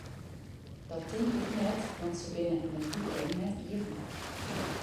Dat tink ik net, want se binne yn it wykein net iepen.